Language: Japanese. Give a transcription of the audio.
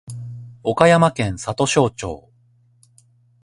岡山県里庄町